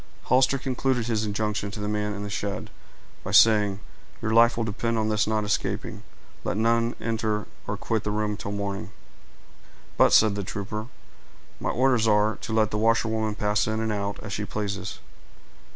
Hollister concluded his injunctions to the man in the shed, by saying, "Your life will depend on his not escaping. Let none enter or quit the room till morning." "But," said the trooper, "my orders are, to let the washerwoman pass in and out, as she pleases."